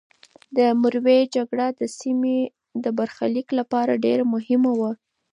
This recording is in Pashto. د مروې جګړه د سیمې د برخلیک لپاره ډېره مهمه وه.